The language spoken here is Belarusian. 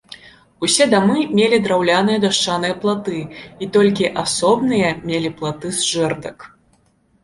Усе дамы мелі драўляныя дашчаныя платы, і толькі асобныя мелі платы з жэрдак.